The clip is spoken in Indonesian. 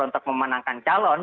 untuk memenangkan calon